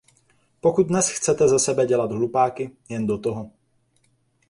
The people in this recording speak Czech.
Pokud dnes chcete ze sebe dělat hlupáky, jen do toho.